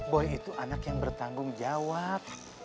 boy itu anak yang bertanggung jawab